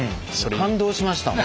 感動しました。